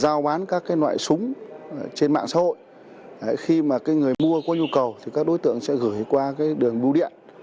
giao bán các loại súng trên mạng xã hội khi mà người mua có nhu cầu thì các đối tượng sẽ gửi qua cái đường bưu điện